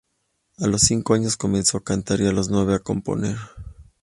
A los cinco años comenzó a cantar, y a los nueve a componer.